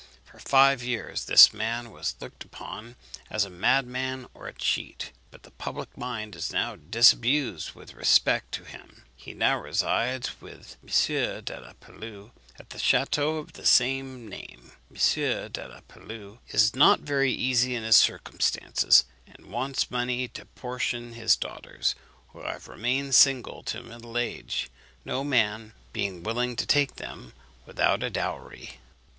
For five years this man was looked upon as a madman or a cheat; but the public mind is now disabused with respect to him. He now resides with M. de la Palu, at the château of the same name. M. de la Palu is not very easy in his circumstances, and wants money to portion his daughters, who have remained single till middle age, no man being willing to take them without a dowry.